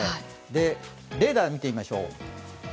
レーダー、見てみましょう。